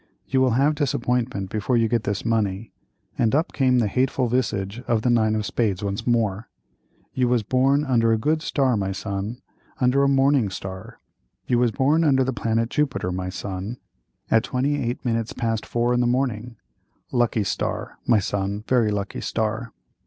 "You will have disappointment before you get this money," and up came the hateful visage of the nine of spades once more. "You was born under a good star, my son—under a morning star—you was born under the planet Jupiter, my son, at 28 minutes past four in the morning—lucky star, my son, very lucky star.